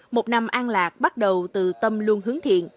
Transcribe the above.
một năm an lạc bắt đầu từ tâm luôn hướng thiện